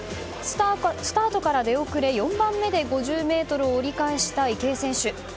スタートから出遅れ、４番目で５０ｍを折り返した池江選手。